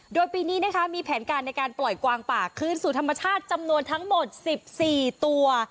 โดยปีนี้นะคะมีแผนการในการปล่อยกวางป่าคืนสู่ธรรมชาติจำนวนทั้งหมด๑๔ตัว